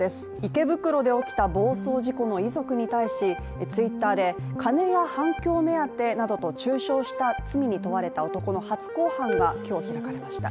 池袋で起きた暴走事故の遺族に対しＴｗｉｔｔｅｒで金や反響目当てなどと中傷した罪に問われた男の初公判が今日、開かれました。